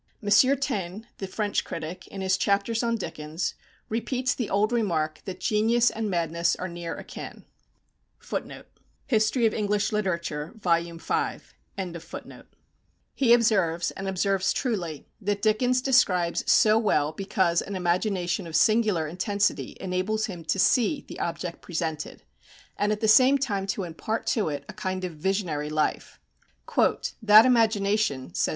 M. Taine, the French critic, in his chapters on Dickens, repeats the old remark that genius and madness are near akin. He observes, and observes truly, that Dickens describes so well because an imagination of singular intensity enables him to see the object presented, and at the same time to impart to it a kind of visionary life. "That imagination," says M.